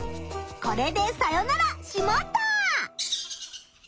これでさよなら「しまった！」。